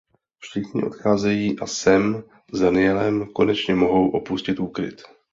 Všichni odcházejí a Sam s Danielem konečně mohou opustit úkryt.